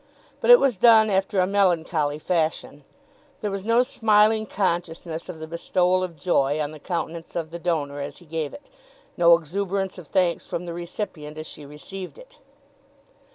But it was done after a melancholy fashion. There was no smiling consciousness of the bestowal of joy on the countenance of the donor as he gave it, no exuberance of thanks from the recipient as she received it.